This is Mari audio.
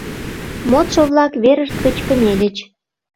Модшо-влак верышт гыч кынельыч.